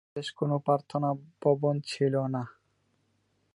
তাদের বিশেষ কোন প্রার্থনা ভবন ছিলো না।